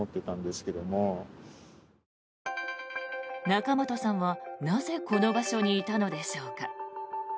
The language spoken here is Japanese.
仲本さんは、なぜこの場所にいたのでしょうか。